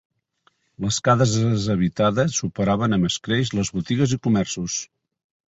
Les cases habitades superaven amb escreix les botigues i comerços.